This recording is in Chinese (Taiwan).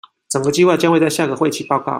整個計畫將會在下個會期報告